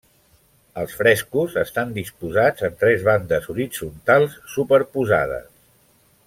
Els frescos estan disposats en tres bandes horitzontals superposades.